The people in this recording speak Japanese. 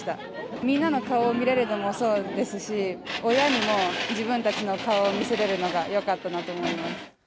みんなの顔を見れるのもそうですし、親にも自分たちの顔を見せれるのがよかったなと思います。